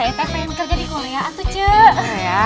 saya pengen kerja di korea tuh cuy